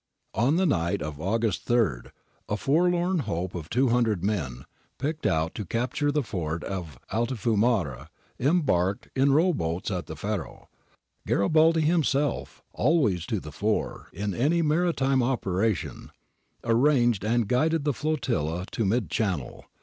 On the night of August 8, a forlorn hope of 200 men, picked out to capture the fort of Altifiumara, embarked in row boats at the Faro. Garibaldi himself, always to the fore in any maritime operation, arranged and guided the flotilla into mid channel.